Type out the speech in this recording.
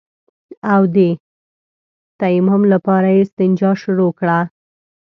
او د تيمم لپاره يې استنجا شروع کړه.